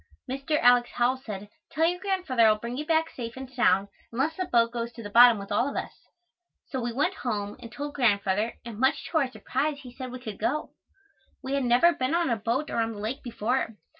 Mr. Alex. Howell said, "Tell your Grandfather I will bring you back safe and sound unless the boat goes to the bottom with all of us." So we went home and told Grandfather and much to our surprise he said we could go. We had never been on a boat or on the lake before.